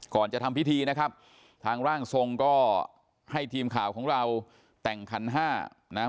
ก่อนจะทำพิธีนะครับทางร่างทรงก็ให้ทีมข่าวของเราแต่งคันห้านะฮะ